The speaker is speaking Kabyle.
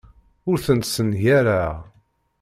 Ur tent-ssengareɣ.